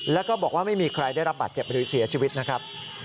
แล้วก็บอกว่าไม่มีใครได้รับบาดเจ็บหรือเสียชีวิตนะครับ